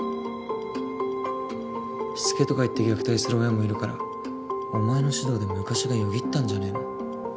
しつけとか言って虐待する親もいるからお前の指導で昔がよぎったんじゃねぇの？